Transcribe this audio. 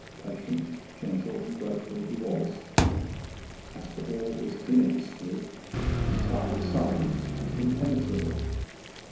Patient, gentle, and grateful he was, as to all his inner history, entirely silent and impenetrable.